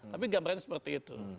tapi gambarnya seperti itu